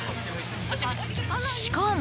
しかも。